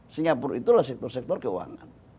singapura itu adalah sektor sektor keuangan